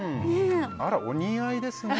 あら、お似合いですね。